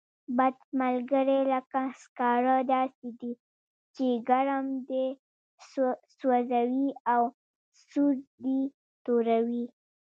بد ملګری لکه سکاره داسې دی، چې ګرم دې سوځوي او سوړ دې توروي.